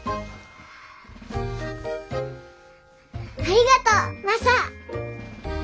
ありがとうマサ！